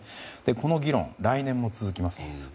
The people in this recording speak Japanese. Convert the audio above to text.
この議論、来年も続きます。